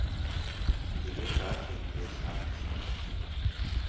Bija kāds interesants?